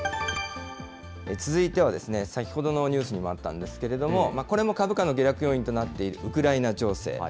続いては、先ほどのニュースにもあったんですけれども、これも株価の下落要因となっている、ウクライナ情勢。